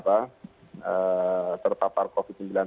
bagaimana perusahaan itu bisa ada peningkatan